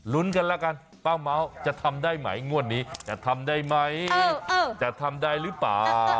กันแล้วกันป้าเม้าจะทำได้ไหมงวดนี้จะทำได้ไหมจะทำได้หรือเปล่า